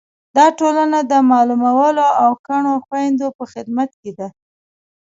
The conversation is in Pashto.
دا ټولنه د معلولو او کڼو خویندو په خدمت کې ده.